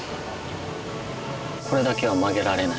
これだけは曲げられない。